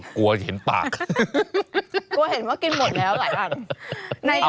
ไซส์ลำไย